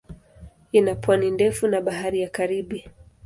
Ina pwani ndefu na Bahari ya Karibi.